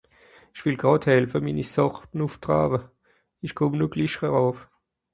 Ìch wìll gràd helfe, mini Sàche nùff traawe, ìch kùmm no glich eràb.